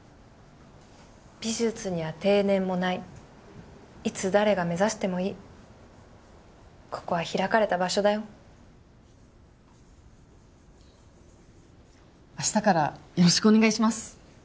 美術には定年もないいつ誰が目指してもいいここはひらかれた場所だよ明日からよろしくお願いします